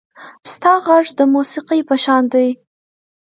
• ستا غږ د موسیقۍ په شان دی.